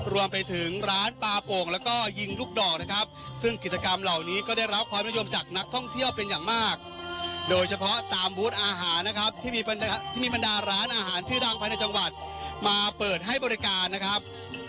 รวมไปถึงร้านปลาโป่งแล้วก็ยิงลูกดอกนะครับซึ่งกิจกรรมเหล่านี้ก็ได้รับความนิยมจากนักท่องเที่ยวเป็นอย่างมากโดยเฉพาะตามบูธอาหารนะครับที่มีบรรดาร้านอาหารชื่อดังภายในจังหวัดมาเปิดให้บริการนะครับ